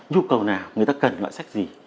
nhu cầu nào người ta cần loại sách gì